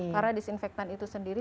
karena disinfektan itu sendiri